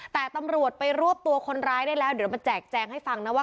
แต่ตำรวจไปรวบตัวคนร้ายได้แล้วเดี๋ยวมาแจกแจงให้ฟังนะว่า